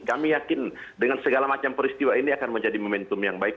kami yakin dengan segala macam peristiwa ini akan menjadi momentum yang baik